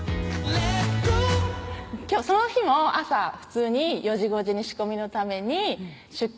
その日も朝普通に４５時に仕込みのために出勤